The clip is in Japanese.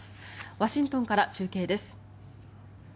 ワシントンから中継です。